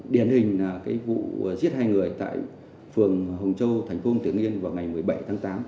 điển hình vụ giết hai người tại phường hồng châu thành phố tiếng yên vào ngày một mươi bảy tháng tám